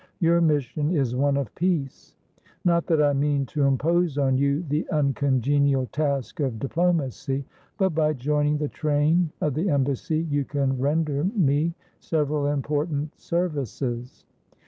Your mission is one of peace. Not that I mean to impose on you the uncongenial task of diplomacy, but by joining the train of the embassy you can render me several important services.